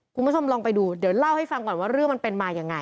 คุณผู้ชมลองไปดูเดี๋ยวเล่าให้ฟังก่อนว่าเรื่องมันเป็นมายังไง